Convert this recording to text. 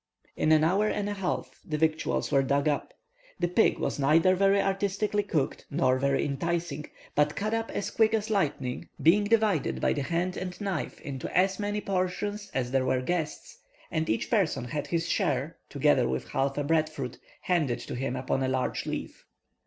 In an hour and a half the victuals were dug up. The pig was neither very artistically cooked nor very enticing, but cut up as quick as lightning, being divided by the hand and knife into as many portions as there were guests, and each person had his share, together with half a bread fruit, handed to him upon a large leaf.